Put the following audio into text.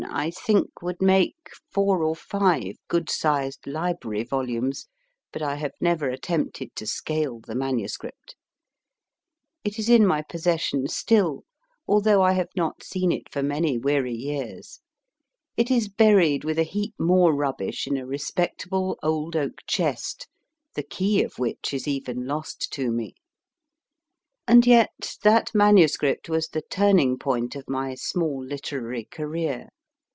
think, would make four or five good sized library volumes, but I have never attempted to scale the manuscript. It is in my possession still, although I have 124 MY FIRST BOOK not seen it for many weary years. It is buried with a heap more rubbish in a respectable old oak chest, the key of which is even lost to me. And yet that MS. was the turning point of my small literary career.